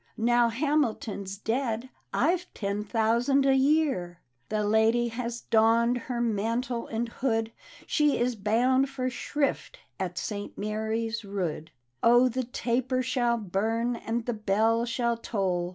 Now Hamilton's dead, I've ten thousand a yearl " The lady has donned her mantle and hood, She is bound for shrift at St. Mary's Rood: —" Oh I the taper shall burn, and the bell shall toll.